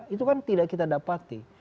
itu kan tidak kita dapati